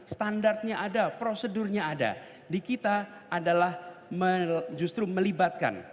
standarnya ada prosedurnya ada di kita adalah justru melibatkan